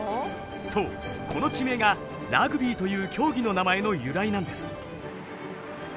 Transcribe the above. そうこの地名がラグビーという競技の名前の由来なんです。